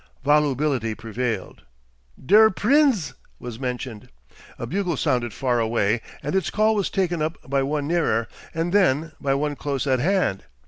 Volubility prevailed. "Der Prinz," was mentioned. A bugle sounded far away, and its call was taken up by one nearer, and then by one close at hand.